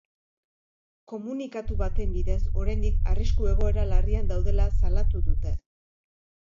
Komunikatu baten bidez, oraindik arrisku egoera larrian daudela salatu dute.